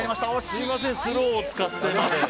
すみませんスローを使って。